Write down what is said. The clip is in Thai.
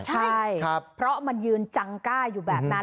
ใช่เพราะมันยืนจังก้าอยู่แบบนั้น